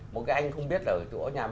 một cái anh không biết là